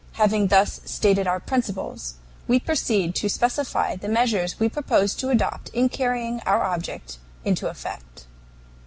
"Having thus stated our principles, we proceed to specify the measures we propose to adopt in carrying our object into effect.